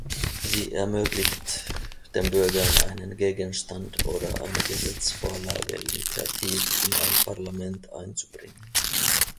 Sie ermöglicht den Bürgern, einen Gegenstand oder eine Gesetzesvorlage initiativ in ein Parlament einzubringen.